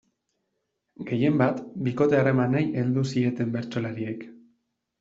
Gehienbat, bikote-harremanei heldu zieten bertsolariek.